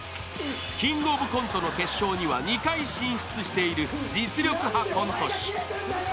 「キングオブコント」の決勝には２回進出している実力派コント師。